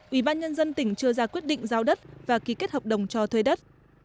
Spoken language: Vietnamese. ủy ban nhân dân tỉnh chưa ra quyết định giao đất và ký kết hợp đồng cho thuê đất